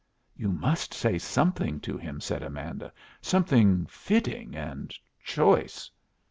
"You must say something to him," said Amanda; "something fitting and choice."